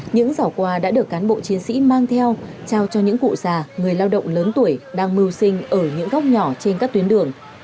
những giỏ quà đã được cán bộ chiến sĩ mang theo trao cho những cụ già người lao động lớn tuổi đang mưu sinh ở những góc nhỏ trên các tuyến đường